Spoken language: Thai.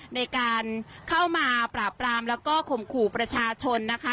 ในการเข้ามาปราบปรามแล้วก็ข่มขู่ประชาชนนะคะ